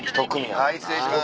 はい失礼します。